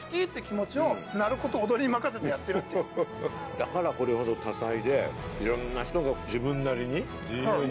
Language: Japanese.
だからこれほど多彩で、いろんな人が自分なりに自由に。